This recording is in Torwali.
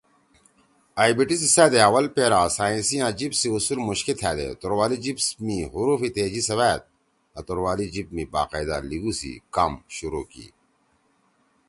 آئی بی ٹی سی سأدے اول پیرا سائنسی آں جیِب سی اصول مُوشکے تھأدے توروالی جیِب می حروف تہجی سیوأد آں توروالی جیِب می باقاعدہ لیِگُو سی کام شروع کی۔